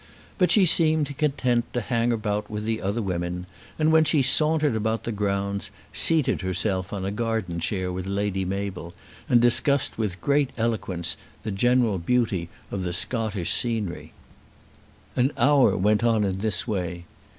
But she seemed content to hang about with the other women, and when she sauntered about the grounds seated herself on a garden chair with Lady Mabel, and discussed with great eloquence the general beauty of Scottish scenery. An hour went on in this way.